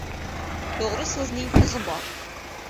To‘g‘ri so‘zning tig‘i bor